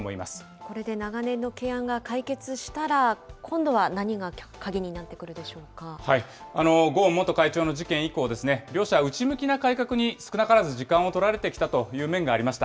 これで長年の懸案が解決したら、今度は何が鍵になってくるでゴーン元会長の事件以降、両社、内向きな改革に、少なからず時間を取られてきたという面がありました。